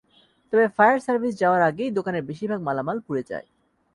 তবে fire service যাওয়ার আগেই দোকানের বেশির ভাগ মালামাল পুড়ে যায়।